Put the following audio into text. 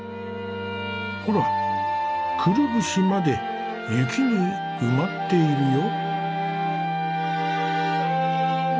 ほらくるぶしまで雪に埋まっているよ。